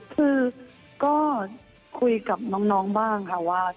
คือก็คุยกับน้องบ้างค่ะว่า